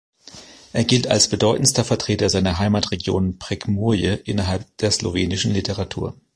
Er gilt als bedeutendster Vertreter seiner Heimatregion Prekmurje innerhalb der slowenischen Literatur.